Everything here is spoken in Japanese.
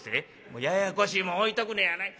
「もうややこしいもん置いとくのやない。